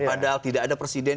padahal tidak ada presiden